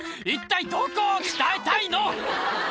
一体どこを鍛えたいの？